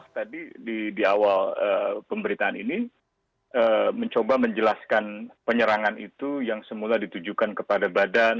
tadi di awal pemberitaan ini mencoba menjelaskan penyerangan itu yang semula ditujukan kepada badan